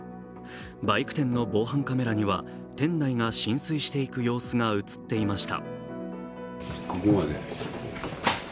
バイク店の防犯カメラには店内が浸水していく様子が映っていました。